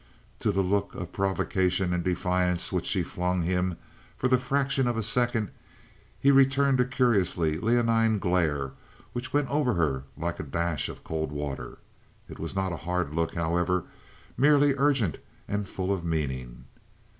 To the look of provocation and defiance which she flung him for the fraction of a second he returned a curiously leonine glare which went over her like a dash of cold water. It was not a hard look, however, merely urgent and full of meaning.